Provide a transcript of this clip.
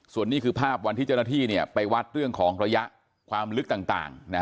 ส่วนนี้คือภาพวันที่เจ้าหน้าที่ไปวัดเรื่องของระยะความลึกต่าง